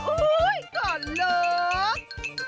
อุ๊ยก่อนลุก